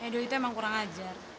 eduy itu emang kurang ajar